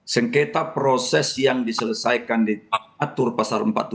sengketa proses yang diselesaikan diatur pasal empat ratus tujuh puluh itu